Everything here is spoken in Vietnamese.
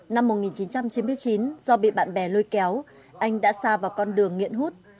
năm một nghìn chín trăm chín mươi chín do bị bạn bè lôi kéo anh đã xa vào con đường nghiện hút